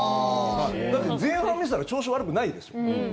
だって前半見てたら調子悪くないですよ。